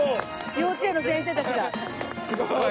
幼稚園の先生たちが。